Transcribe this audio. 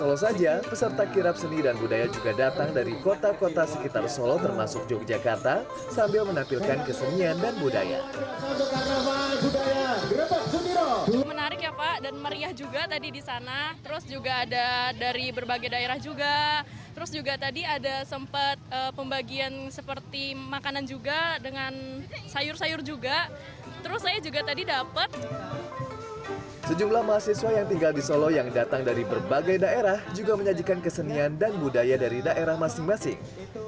orang orang yang tinggal di solo yang datang dari berbagai daerah juga menyajikan kesenian dan budaya dari daerah masing masing